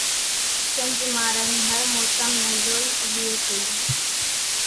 شنجھ مان رئينَ هر موسم نين زوئِي ۿڳيئين سيئين۔